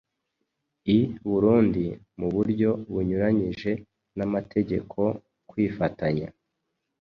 i Burundi mu buryo bunyuranyije n'amategeko kwifatanya